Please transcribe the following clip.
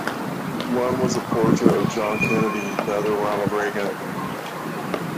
One was the portrait of John Kennedy, the other Ronald Reagan.